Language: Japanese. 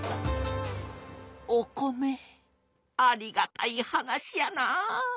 お米ありがたい話やな。